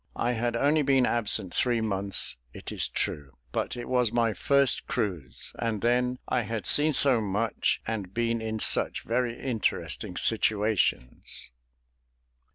I had only been absent three months, it is true; but it was my first cruise, and then "I had seen so much, and been in such very interesting situations."